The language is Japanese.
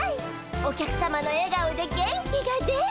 お客さまのえがおで元気が出る。